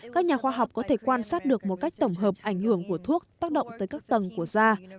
các nhà khoa học có thể quan sát được một cách tổng hợp ảnh hưởng của thuốc tác động tới các tầng của da